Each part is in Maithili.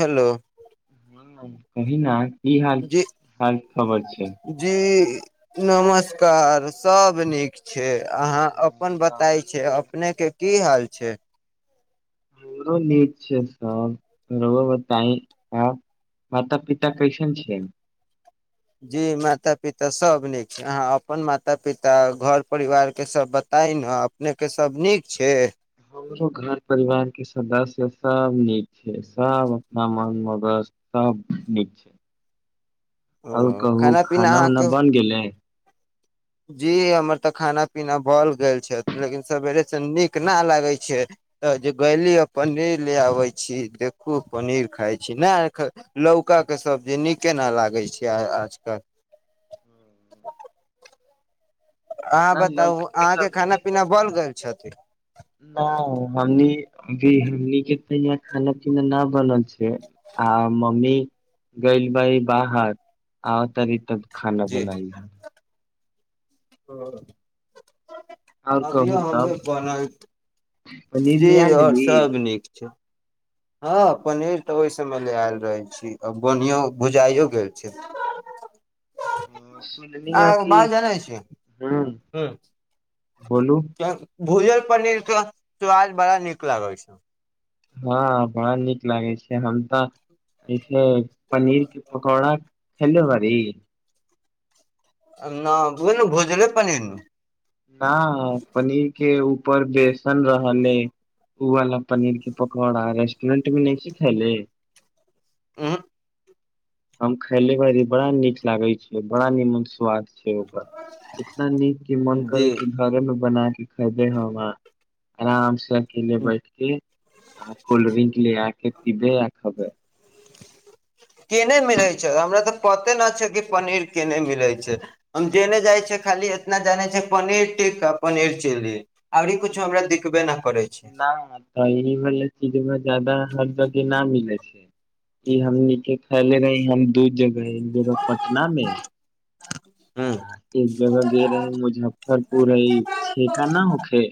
हेलो कहिना की हाल जी हाल खबर छै जी नमस्कार सब नीक छै अहाँ अपन बताय छै हमरो अपने के की हाल छै हमरो नीक छै सब रउआ बताइ आब माता पिता कैसन छै जी माता पिता सभ नीक छै अहाँ अपन माता पिता घर परिवारके सभ ब ताहि ने अपनेके सब नीक छै हमरो घर परिवार के सदस्य सब नीक छै सब अपना मन मगज सब नीक छै [inaudible] ओ ओर कहू पीना खाना उना अहाँके बन गेलै जी हमर तऽ खाना पीना भऽ गेल छै लेकिन सेवेरे से नीक न लागे छै तऽ जे गेली आ पनीर ले आबे छी देखू पनीर खाय छी नहि ल का के सब्जी नीक केना लागै छै आजकल अहाँ न बताउ लौकी अहाँके सब्जी खाना पीना बन गेल छथि नहि हमनी अभी हमनी के तऽ यहाँ खाना पीना न बनल छै आ मम्मी गेल बारि बाहर आव तारि त खाना बनाइ ओ आओर कहू अभियो तब हमर बनल पनीर जी ले आ आओर लेली सब नीक छै हँ पनीर तऽ ओहि समेय लऽ आयल रहैल छी आ बनिओ भुजाइओ अ, गेल छै सुनली आ ह कि बात जनै छी ह बोलू भूजल पनीर के स्वाद बड़ा नीक लागय छै हँ बड़ा नीक लागै छै हम तऽ पनीर के पकौड़ा खेले बारी न ओहे न भुजले पनीर ने न पनीर के ऊपर बेसन रहने ओ वाला पनीर के पकौड़ा रेस्टोरेंट मे नहिखे खैले न हम खायले बाड़ी बड़ा नीक लागल बड़ा निमन स्वाद छै ओकर इतना नीक कि मन जी करे कि घरे मे बना खरीदे हम आ आराम से अकेले बैठ के आ कोल्ड्रिंक ले आके पीबे आ खेबै [inaudible] केने मिलै छै हमरा तऽ पते नहि छै कि पनीर केने मिलै छै हम जेने जाइ छियै खाली इतना जाने छै पनीर टिक्का पनीर चिली आओरी कुछो हमरा दिखबे न करै छै न तऽ ई मतलब चीजमे ज्यादा हर जगह न मिलै छै ई हमनिके खैले रही हम दू जगह एक जगह पटना मे हूँ आ एक जगह गेल रहेै मुजफ्फरपुर छेका ना हो खे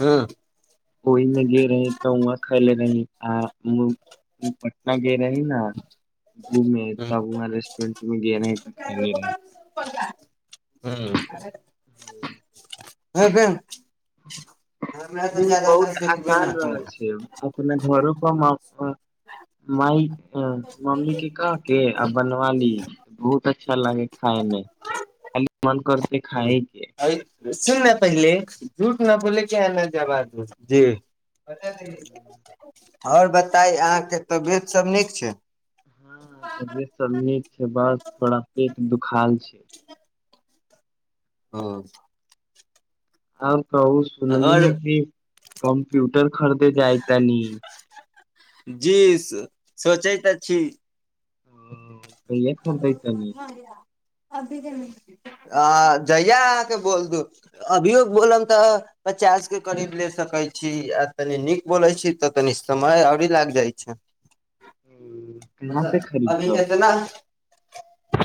हँ ओहि मे गेल रहें तऽ वहाँ खैले रहीं आ पटना गै रहे ही ने घूमे हूँ तब वहाँ रेस्टोरेटमे ग रहै त खा ल रह ह ह ओ बहुत देखबे आसान न करै रहल छै अपने घरो ब माय मम्मी के कह के आ बनव ली बहुत अच्छा लागे खाय खाली मन करते हूँ खाइ क अइ सुन न पहिले झूठ न बोल क न जबा दू जी आओर बताइ अहाँके तबियतसभ नीक छै ह तबियत सब नीक छै बस थोड़ा पेट दुखाल छै हँ आब कहू सुनली आओर है कि कम्प्यूटर खरीदे जाय त न जी सोचय तऽ छी ह कहिए खरद ह जहिया अहाँके बोल दू अभियो बोलम तऽ पचास के करीब ले सकै छी आ तनी नीक बोलै छी तऽ तनी समय ओरी लाग जाइ छै ओ, कहाँ मतलब से अभी खरीदबह केतान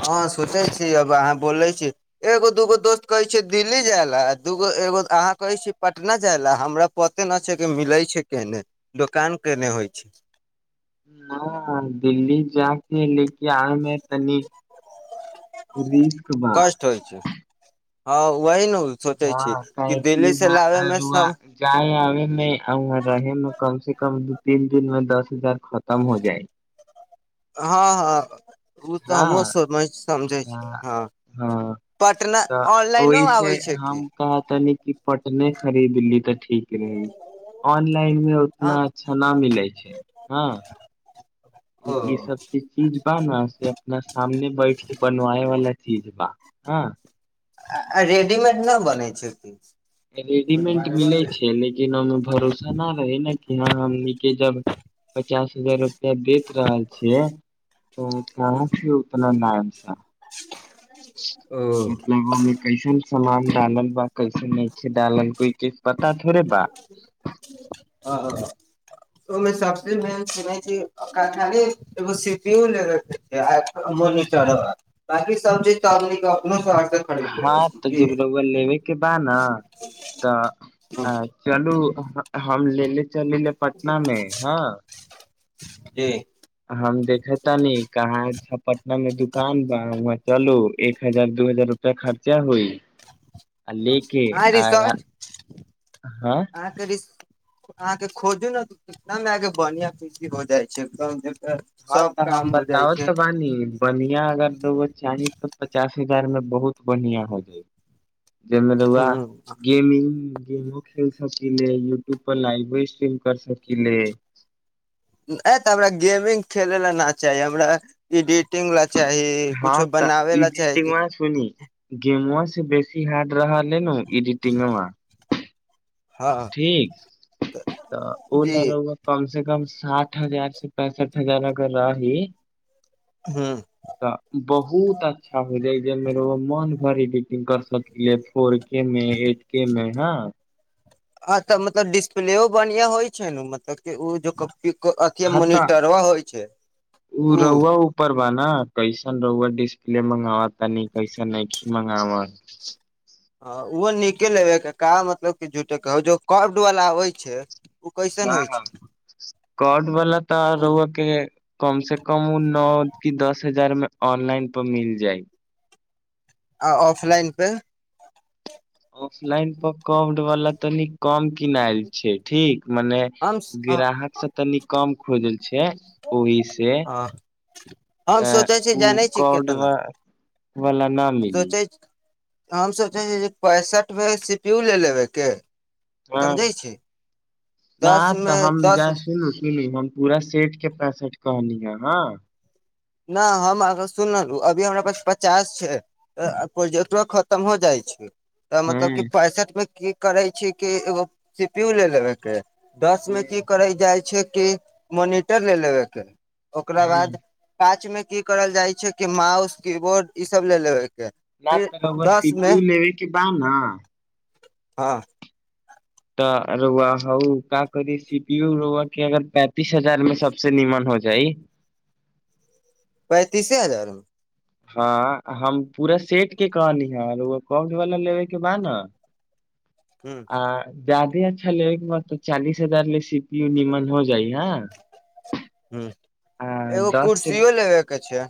हँ सुने छी अब अहाँ बोले छी एगो दूगो दोस्त कहे छिय दिल्ली जाय ल दूगो एगो अहाँ कहे छी पटना जाय ला हमरा पते न छै के मिले छै केने दोकान केने होतय हो छै न दिल्ली जा कि ल आमे तनी र बा कष्ट होइ छै हँ उह ही हँ काह क यह मे रुआ सम जाए आब आ रहमे कम से कम तीन दिनमे दस हजार खतम हो जाइ हँ हँ ओ तऽ हमह हँ हुँ समझै छी हँ हँ पटना तऽ ऑनलाइनो ओहि से आबै छै की हम कहतनी पटने खरीद ली ठीक रही ऑनलान लान मे उतना अच्छा न मिलै छै हँ ओ ई सब चीज चीज ने से अपना सामने बैठ के बनवाय वाला चीज बा ह रेडीमेड ना बनै छै कि रेडीमेंट मिलै छै लेकिन ओहिमे भरोसा नहि रहै ने कि हँ हमने जब पचास हजार रुपआ देत रहल छिये तऽ कहाँ छैिय उतना नाम छै ओ मतलब ओमे कैसन समान डालब बा कइसन नहि खेदालन को के पात ह ओ सबन स ले चढ़ ताकि सब च अपो सा हँ जबरवैया लेबै बा न तऽ चलू हम लेे चली पटना मे हँ जी हम देखे त न कहाँ छ पटना मे दुकान बा चलू एक हजार दू हजार रुपैया खर्चा होइ आ रिस आ हँ हां अहाँके खोजू ने बढ़आ पीहो जाइ छै हँ सब तऽ हम काम हो जाइ बताब तऽ बानी बनिया अगर दोगो चाही तऽ पचास घर में बहुत बढ़िया हो जाय जाहिमे लआ छै गेमिंग गेमो खेल सक लै यूट्यूब पर लाइव स्ट्रीम कर सकी ले ये तऽ हमरा गेमिंग खेल न चाही हमरा इडिटिंग ल हँ तऽ इडिटिंग सुनी गेमबा बेसी हार्ड रहल ह ने एडिटिंग मे हँ ठीक तऽ ओ ल जी ला राउआ कम से कम साठ हजार से पैंसठ हजार अगर रहली हँ बहुत अच्छा हो जाइ जे मन भरि एडिटिंग कर सक फोर के मे एट के मे हँ आ तऽ मतलब डिस्प्लेो बढ़िया होइ छै ने मतलब के ओ जो अथि ह त मोनिटरवा होइ छै ओ उ रौआ उऊपर बा ना कैस रोर डिस्प्ल मंगावा तनी कैसा न की मंगव हँ ओहो नीके लेबै का मतलब कि झुटेके जो कर्ड वला होइ छै ना ना कट वला त रौआ के कम से कम न दस हजार मे ऑनलाइन पर मिल जाइ आ ऑफलाइन पे ऑफलाइन पर कोमड वाला तनी कम किनायल छै ठीक मने हम ग्राहक सब तनी कम खोजल छै ओहि से हम ए सोचै छी ओ जानै छी कोमड केतना व वाला न मिली सोचै हम सोचै छ जे पैंसठि भ सीपीू ले लेबैके ह न दस मे तऽ हम दस जा सुन सु पूरा सेठ के पैसठ कहली ह हँ ना हम अग सुनहु अभी हमरा पास पचास छै प्रोजेक्ट खतम हो जाइ छै तऽ मतलब क हँ पैंसठ मे की करे छी कि एगो सीपीू ले लेबे के दस मे की करै जाइ छै कि मोनिटर ले लेबे के ओकरा बाद काच में की करल जाय छै क माउस की बोर्ड ई सब ले लेब न त बस सी पीू लेबै कि बा न हाँ तऽ रोआ हउ का करी सी पी रोआ के अगर पैंतीस हजार मे सबसे नीमन हो हो जाइ [inaudible] तीसे हजार मे हँ हम पूरा सेट के कहली है कक्ड वाला लेबेके बा ना [inaudible] आ जादे अच्छा लेबके मन त चालीस हजार ले सी पी न मन हो हो जाई ह ह आ एगो दस के कुर्सियो लेबे के छै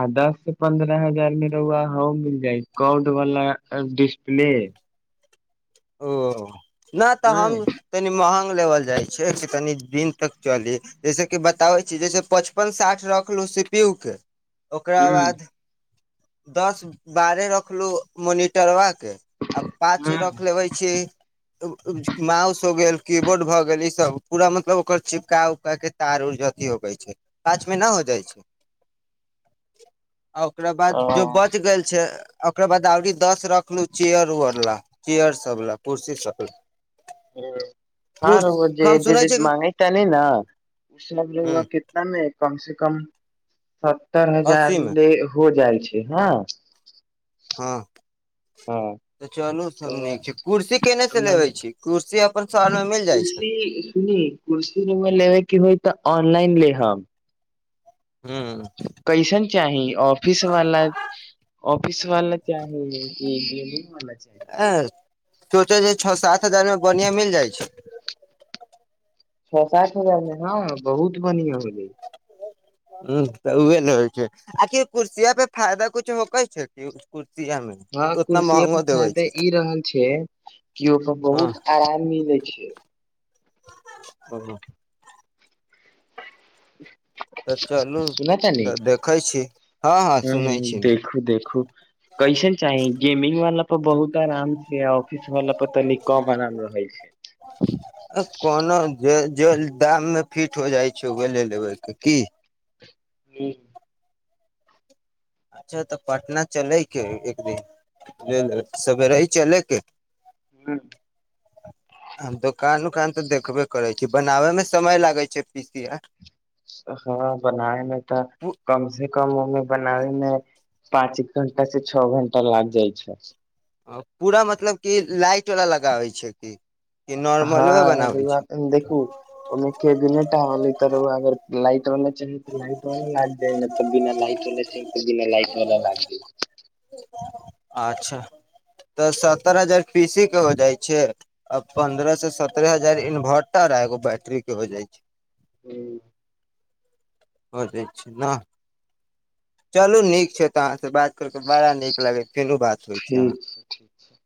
आ दस से पन्द्रह हजार मे रहुआ ह मिल जाय कोड वला डिस्प्ले ओ नहि तऽ हँ हम तनि महगा लेवल जाइ छै तनि दिन तक चली जैस कि बताबै छी जैसे पचपन साठ रखलू सिपियु के ओकरा हूँ बाद दस बारहे रखलु मोनिटर वा आ पच रक हूँ छै माउस हो गेल कीबोर्ड भ गेल ई सब पूरा मतलब ओकर चिपका उपका के तार उर अथी होगै छै गाछ मे न हो जाइ छै आ ओकरा बाद जो ओ बच गेल छै ओकरा बाद आऔरी दस रखलु चेयर उअर ला कियर सबला कुर्सी सब [unintelligible] हाँ कुर्स र‌उवा हम सुनै जे छियै माँंगेता ने ना ओ ह कितना ने कम से क कम सत्तर हजार अस्सी मे ले हो जाइ छै हँ हँ हँ तऽ चलू सब नीक तऽ छै कुर्सी केने से लेबे मने छी कुर्सी अपन शहर मे मिल जाइ छै कुर्सी सुनि कुर्सीमे लेबेके होइ तऽ ऑनलाइन लेहब [unintelligible] क‌इसन चाही ऑफिस वाला ऑफिस वाला चाही की ह सोचे छओ सात हजार मे बढ़ीया मिल जाइ छै छौ सात हजार मे हँ बहुत बढ़िया मिल‌इ ह तऽ उहे ने होइ छै आखिर कुर्सिया पे फायदा कुछ होकै छै क हँ कुर्सीय पर फायदाे ई रहल छै कि ओकर हँ बहुत आराम मिले छै [unintelligible] चलू सुनतानी तऽ देखै छी हँ हँ ह सुनै छी देखू देखू कइसन चाही गेमिंग वाला पर बहुत आराम छै ऑफिस वाला पर तनी कम आराम रहै छै आ कोनो जे जे दाम मे फिट हो जाइ छै ओ ले लेबय के की [unintelligible] अच्छा तऽ पटना चलयके एक दिन नहि नहि सवेरे ही चलेके ह दोकान उकान तऽ देखबे करै छी बनाबे मे समय लागै छै पीसिय आ हँ बनायमे तऽ कम से कम मम्मी बनाबमे पाँच एक घंटा से छ घंटा लाग जाइ छै पूरा मतलब क लाइट वला लगाबै छै कि कि हँ नॉर्मलवे एलु बनाबै आ तनी देखू ओय मे के नेटा होल तऽ रउआ अगर लाइट वाला चाही तऽ लाइट वाला लागि जाइ ने तऽ बिना लाइट [unintelligible] अच्छा तऽ सत्तर हजार पी सी के हो जाइ छै आ पंन्द्रह से सत्ररह हजार इन्वर्टर गो बैटरी के हो जाइ छै भर देय छी न चलू नीक छै तऽ अहाँ से बात करके बड़ा नीक लागे फेरू बात होइ अहाँ ठीक छै ठीक छै